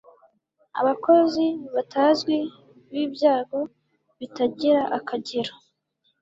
Abakozi batazwi bibyago bitagira akagero